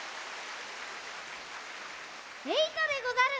えいとでござる！